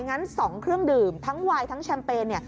งั้น๒เครื่องดื่มทั้งวายทั้งแชมเปญ